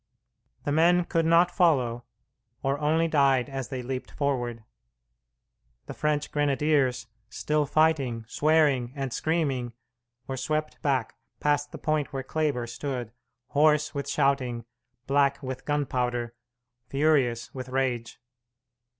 The men could not follow, or only died as they leaped forward. The French grenadiers, still fighting, swearing, and screaming, were swept back past the point where Kleber stood, hoarse with shouting, black with gunpowder, furious with rage.